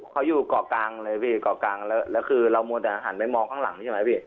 เขาอยู่เกาะกลางเลยพี่เกาะกลางแล้วแล้วคือเรามัวแต่หันไปมองข้างหลังใช่ไหมพี่